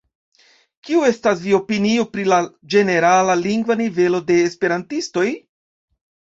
Kiu estas via opinio pri la ĝenerala lingva nivelo de esperantistoj?